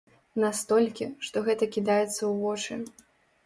Настолькі, што гэта кідаецца ў вочы.